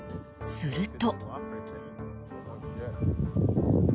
すると。